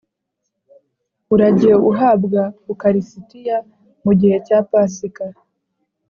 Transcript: Urajye uhabwa Ukaristiya mu gihe cya Pasika.